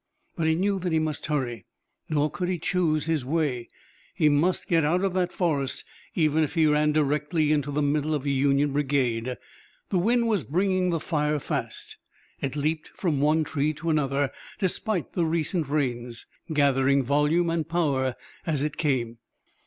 But he knew that he must hurry. Nor could he choose his way. He must get out of that forest even if he ran directly into the middle of a Union brigade. The wind was bringing the fire fast. It leaped from one tree to another, despite the recent rains, gathering volume and power as it came.